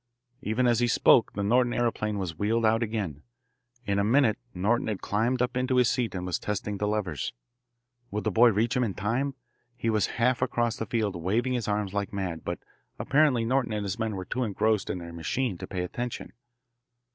Even as he spoke the Norton aeroplane was wheeled out again. In a minute Norton had climbed up into his seat and was testing the levers. Would the boy reach him in time? He was half across the field, waving his arms like mad. But apparently Norton and his men were too engrossed in their machine to pay attention.